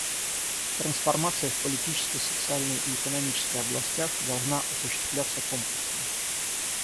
Трансформация в политической, социальной и экономической областях должна осуществляться комплексно.